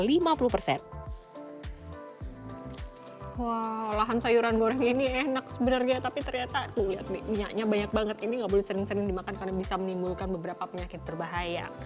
wah lahan sayuran goreng ini enak sebenarnya tapi ternyata minyaknya banyak banget ini nggak boleh sering sering dimakan karena bisa menimbulkan beberapa penyakit berbahaya